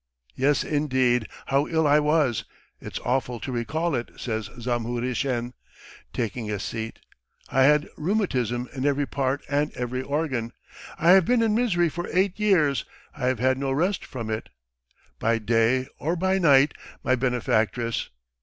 "Yes indeed, how ill I was! It's awful to recall it," says Zamuhrishen, taking a seat. "I had rheumatism in every part and every organ. I have been in misery for eight years, I've had no rest from it ... by day or by night, my benefactress.